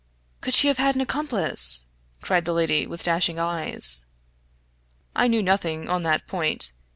"Could she have had an accomplice?" cried the lady, with dashing eyes. I knew nothing on that point.